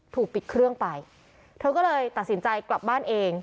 ถูกปิดเครื่องไปเธอก็เลยตัดสินใจกลับบ้านเอง